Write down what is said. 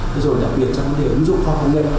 rất đặc biệt trong vấn đề ứng dụng khoa công nghệ